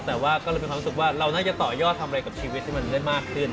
แต่ว่าก็เลยมีความรู้สึกว่าเราน่าจะต่อยอดทำอะไรกับชีวิตที่มันได้มากขึ้น